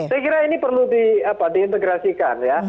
saya kira ini perlu diintegrasikan ya